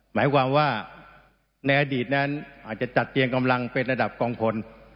หมายความว่าในอดีตนั้นอาจจะจัดเตียงกำลังเป็นระดับกองพล